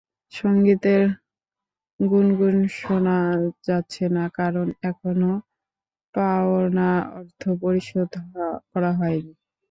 সংগীতের গুণগুণ শোনা যাচ্ছে না, কারণ, এখনও পাওনা অর্থ পরিশোধ করা হয়নি।